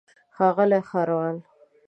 ښاغلی ښاروال.